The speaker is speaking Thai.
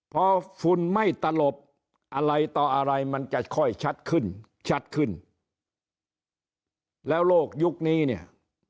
พอฝุ่นไม่ตลบอะไรต่ออะไรมันจะค่อยชัดขึ้นชัดขึ้นแล้วโลกยุคนี้เนี่ย